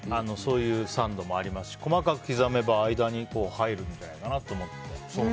そういうサンドもありますし細かく刻めば間に入るかなと思って。